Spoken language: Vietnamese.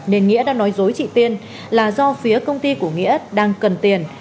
nên nghĩa đã nói dối chị tiên là do phía công ty của nghĩa đang cần tiền